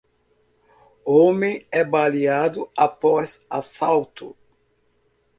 Homem é baleado após assalto